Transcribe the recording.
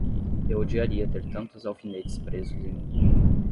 Eu odiaria ter tantos alfinetes presos em mim!